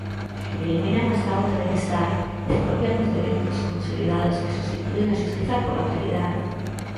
Eliminan o Estado de benestar, exprópiannos dereitos consolidados e substitúen a xustiza pola caridade.